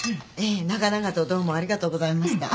長々とどうもありがとうございました。